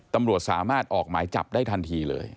ตำรวจสามารถออกหมายจับได้ทันทีเลย